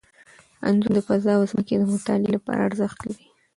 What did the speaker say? انځور د فضا او ځمکې د مطالعې لپاره ارزښت لري.